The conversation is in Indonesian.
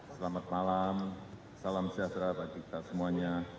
selamat malam salam sejahtera bagi kita semuanya